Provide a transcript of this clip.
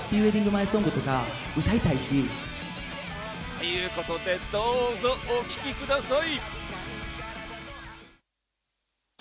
ということで、どうぞお聴きください！